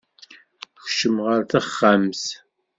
Kcem ɣer texxamt.